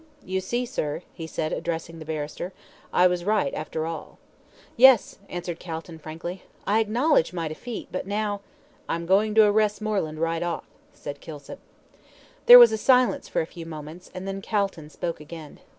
"You see, sir," he said, addressing the barrister, "I was right after all." "Yes," answered Calton, frankly, "I acknowledge my defeat, but now " "I'm going to arrest Moreland right off," said Kilsip. There was a silence for a few moments, and then Calton spoke again.